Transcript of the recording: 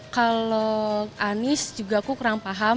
kalau anies juga aku kurang paham